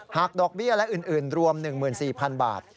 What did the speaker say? ดอกเบี้ยและอื่นรวม๑๔๐๐๐บาท